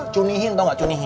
cunihin tau gak cunihin